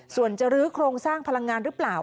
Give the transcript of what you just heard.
ส่วนจะรื้อโครงสร้างพลังงานหรือเปล่า